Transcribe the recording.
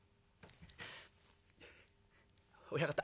「親方